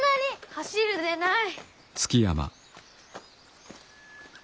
走るでない。